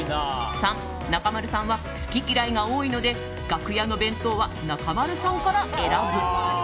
３、中丸さんは好き嫌いが多いので楽屋の弁当は中丸さんから選ぶ。